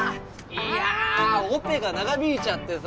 いやあオペが長引いちゃってさ。